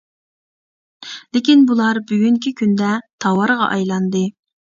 لېكىن بۇلار بۈگۈنكى كۈندە تاۋارغا ئايلاندى.